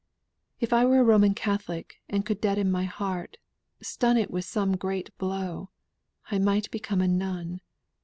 If I were a Roman Catholic and could deaden my heart, stun it with some great blow, I might become a nun.